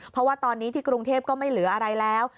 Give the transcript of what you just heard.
เพราะว่าตอนนี้ที่กรุงเทพก็ไม่เหลืออะไรแล้ว